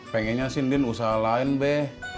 pengennya sih ndin usahalain be